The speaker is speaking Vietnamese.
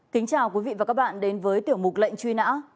kính chào quý vị và các bạn đến với tiểu mục lệnh truy nã